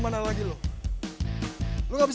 janganlah sama dia